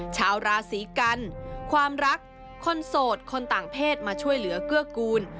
ชาวราศีกันความรักคนโสดคนต่างเพศมาช่วยเหลือเกื้อกูล